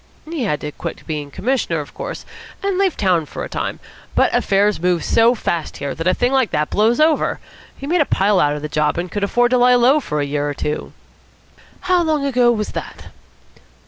"He had to quit being Commissioner, of course, and leave the town for a time; but affairs move so fast here that a thing like that blows over. He made a bit of a pile out of the job, and could afford to lie low for a year or two." "How long ago was that?"